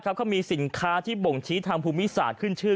เขามีสินค้าที่บ่งชี้ทางภูมิศาสตร์ขึ้นชื่อ